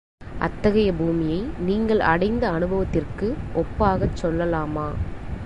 அத்தகைய பூமியை நீங்கள் அடைந்த அநுபவத்திற்கு ஒப்பாகச் சொல்லலாமா?